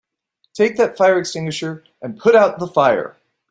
Take that fire extinguisher and put out the fire!